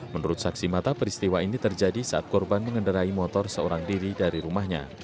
menurut saksi mata peristiwa ini terjadi saat korban mengendarai motor seorang diri dari rumahnya